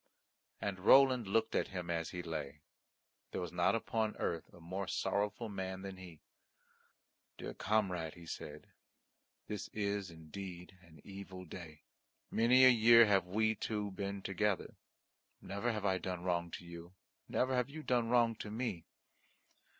And Roland looked at him as he lay. There was not upon earth a more sorrowful man than he. "Dear comrade," he said, "this is indeed an evil day. Many a year have we two been together. Never have I done wrong to you; never have you done wrong to me.